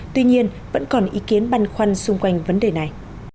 tuy nhiên vẫn còn ý kiến băn khoăn xung quanh vấn đề này